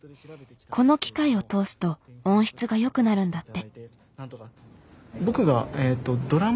この機械を通すと音質が良くなるんだって。